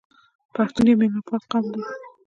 پښتون یو میلمه پال قوم دی.